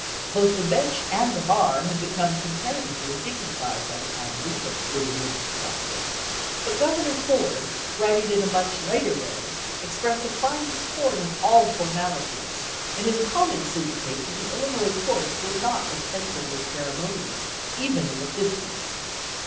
Both the bench and the bar had become com paratively dignified by the time Lincoln was admitted to practise; but Governor Ford, writ ing at a much later day, expressed a fine scorn of all formalities, and his comments indicate that the Illinois courts were not offensively ceremo nious even in the fifties.